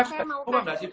saya mau kasih